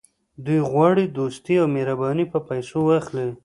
دوی غواړي دوستي او مهرباني په پیسو واخلي.